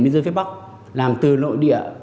biên giới phía bắc làm từ nội địa